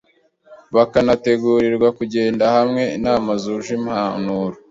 bakanategurirwa kugenda bahawe inama zuje impanuro